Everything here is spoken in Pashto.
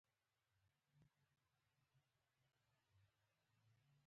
ډګروال په پیغور وویل چې بوډاتوب قضاوت خرابوي